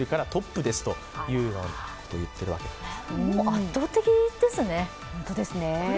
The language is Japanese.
圧倒的にですね。